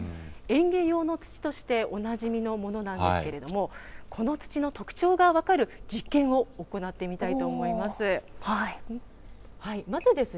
園芸用の土として、おなじみのものなんですけれども、この土の特徴が分かる実験を行ってみたいと思います。